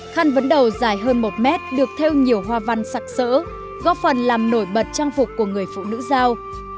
khăn vấn đầu dài hơn một mét được theo nhiều hoa văn sặc sỡ góp phần làm nổi bật trang phục của người phụ nữ giao